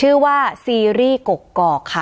เรียกว่าซีรีส์กรกกอกค่ะ